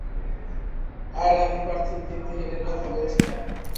আর আমি পার্থিব ভিত্তিহীনের কথা বলছি না।